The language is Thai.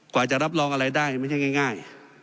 กว่าจะรับรองอะไรได้ไม่ใช่ง่าย